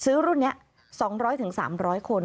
ซื้อรุ่นนี้๒๐๐๓๐๐คน